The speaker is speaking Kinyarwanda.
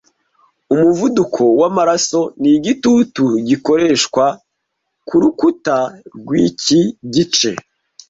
Umuvuduko wamaraso nigitutu gikoreshwa kurukuta rwiki gice